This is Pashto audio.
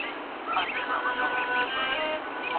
دفاع د انسان فطري عمل دی.